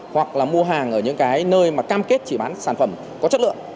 hoặc là mua hàng ở những cái nơi mà cam kết chỉ bán sản phẩm có chất lượng